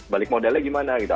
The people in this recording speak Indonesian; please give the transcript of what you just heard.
balik modalnya gimana gitu